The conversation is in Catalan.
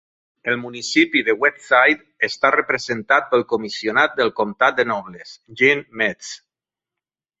El municipi de Westside està representat pel comissionat del comtat de Nobles, Gene Metz.